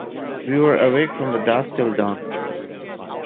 We were awake from dusk till dawn.